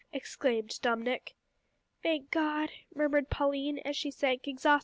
exclaimed Dominick. "Thank God!" murmured Pauline, as she sank exhausted on the sand.